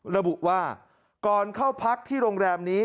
ระบุว่าก่อนเข้าพักที่โรงแรมนี้